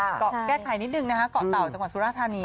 เกาะแก้ไขนิดนึงนะคะเกาะเต่าจังหวัดสุราธานี